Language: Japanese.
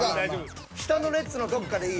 下の列のどっかでいいよ。